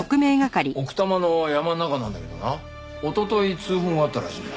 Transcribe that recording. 奥多摩の山ん中なんだけどな一昨日通報があったらしいんだ。